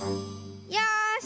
よし！